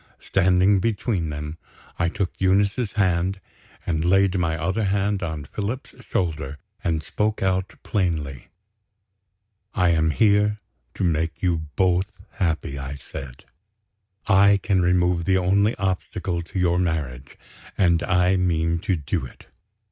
Standing between them, I took Eunice's hand, and laid my other hand on Philip's shoulder, and spoke out plainly. "I am here to make you both happy," I said. "I can remove the only obstacle to your marriage, and I mean to do it.